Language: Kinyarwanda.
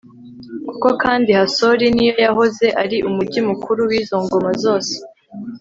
koko kandi hasori ni yo yahoze ari umugi mukuru w'izo ngoma zose